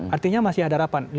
artinya masih ada harapan